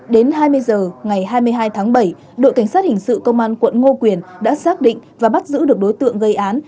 đến hai mươi h ngày hai mươi hai tháng bảy đội cảnh sát hình sự công an quận ngô quyền đã xác định và bắt giữ được đối tượng gây án